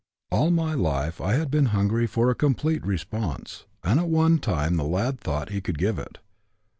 "All my life I had been hungry for a complete response, and at one time the lad thought he could give it.